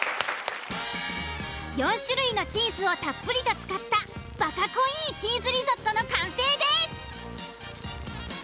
４種類のチーズをたっぷりと使ったバカ濃いぃチーズリゾットの完成です。